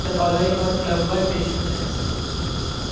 The following are club one destinations.